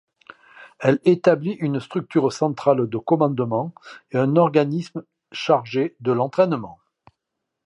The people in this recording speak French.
Elle établit une structure centrale de commandement et un organisme chargé de l'entraînement.